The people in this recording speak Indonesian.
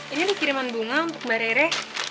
ini nih kiriman bunga untuk mbak rere